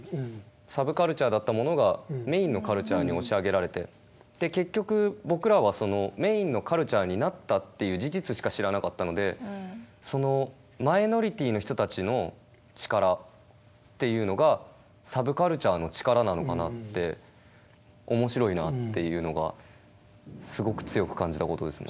サブカルチャーだったものがメインのカルチャーに押し上げられて結局僕らはメインのカルチャーになったっていう事実しか知らなかったのでそのマイノリティーの人たちの力というのがサブカルチャーの力なのかなって面白いなっていうのがすごく強く感じた事ですね。